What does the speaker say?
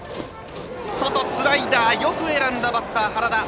外スライダー、よく選んだ原田。